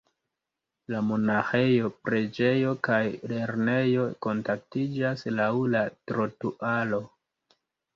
La monaĥejo, preĝejo kaj lernejo kontaktiĝas laŭ la trotuaro.